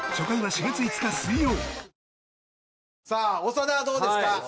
長田はどうですか？